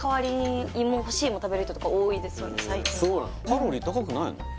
カロリー高くないの？